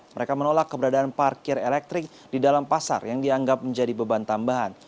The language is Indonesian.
mereka menolak keberadaan parkir elektrik di dalam pasar yang dianggap menjadi beban tambahan